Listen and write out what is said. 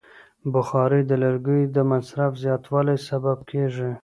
بخاري د لرګیو د مصرف زیاتوالی سبب کېږي.